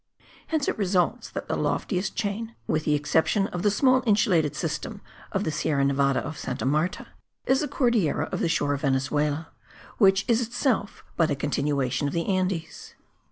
Hence it results that the loftiest chain, with the exception of the small insulated system of the Sierra Nevada of Santa Marta, is the Cordillera of the shore of Venezuela, which is itself but a continuation of the Andes.